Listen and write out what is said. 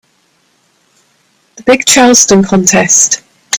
The big Charleston contest.